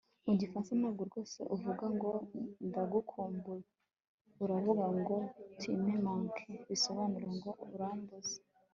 mu gifaransa, ntabwo rwose uvuga ngo ndagukumbuye , uravuga ngo tu me manques bisobanura ngo urambuze